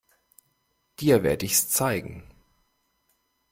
Dir werd ich's zeigen.